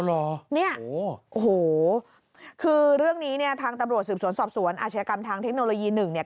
เหรอเนี่ยโอ้โหคือเรื่องนี้เนี่ยทางตำรวจสืบสวนสอบสวนอาชญากรรมทางเทคโนโลยีหนึ่งเนี่ย